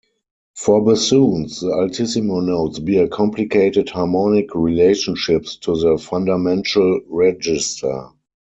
For bassoons, the altissimo notes bear complicated harmonic relationships to the fundamental register.